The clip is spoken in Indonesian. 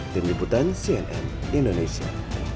tim liputan cnn indonesia